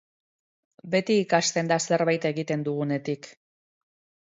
Beti ikasten da zerbait egiten dugunetik.